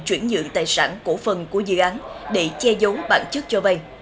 chuyển dự tài sản cổ phần của dự án để che giấu bản chất cho vây